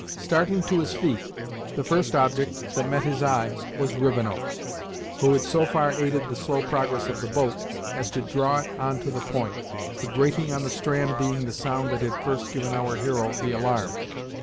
Starting to his feet, the first object that met his eye was Rivenoak, who had so far aided the slow progress of the boat, as to draw it on the point, the grating on the strand being the sound that had first given our hero the alarm.